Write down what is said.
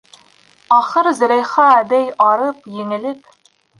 Ахыр, Зөләйха әбей, арып, еңелеп: